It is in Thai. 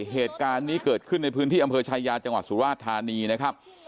เหตุการณ์นี้เกิดขึ้นในพื้นที่อำเภอชายาจังหวัดสุราชธานีนะครับ